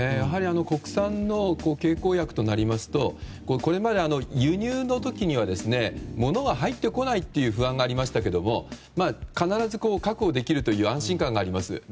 国産の経口薬となりますとこれまで輸入の時にはものが入ってこないという不安がありましたけど必ず確保できるという安心感があります。